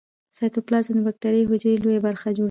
سایتوپلازم د باکتریايي حجرې لویه برخه جوړوي.